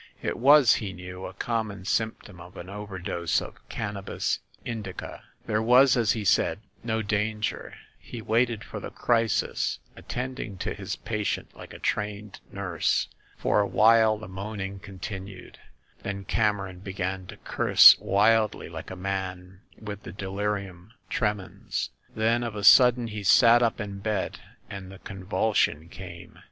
It was, he knew, a common symptom of an overdose of Cannabis Indica. There was, as he said, no danger. He waited for the crisis, attending to his patient like a trained nurse. For a while the moan ing continued; then Cameron began to curse wildly, like a man with the delirium tremens. Then of a sud den he sat up in bed, and the convulsion came.